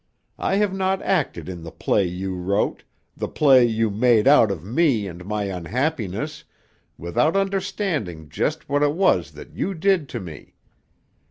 I have not acted in the play you wrote, the play you made out of me and my unhappiness, without understanding just what it was that you did to me.